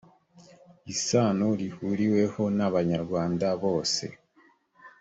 isano rihuriweho n’abanyarwanda bose